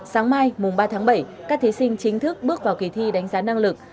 sáng mai mùng ba tháng bảy các thí sinh chính thức bước vào kỳ thi đánh giá năng lực